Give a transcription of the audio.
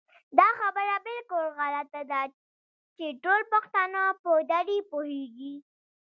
دا خبره بالکل غلطه ده چې ټول پښتانه په دري پوهېږي